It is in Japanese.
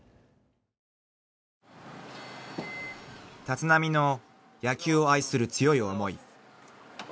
［立浪の野球を愛する強い思い］